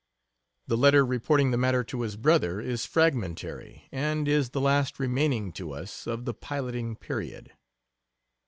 The letter reporting the matter to his brother is fragmentary, and is the last remaining to us of the piloting period.